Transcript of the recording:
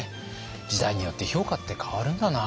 時代によって評価って変わるんだな。